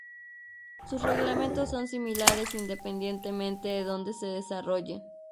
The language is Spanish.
Sus reglamentos son similares, independientemente de donde se desarrollen.